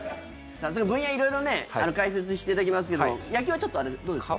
分野、色々ね解説していただきますけど野球はちょっとどうですか？